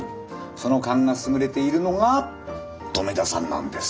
その勘が優れているのが留田さんなんです。